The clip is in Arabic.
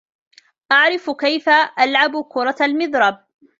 أعرف كيف ألعب كرة المضرب.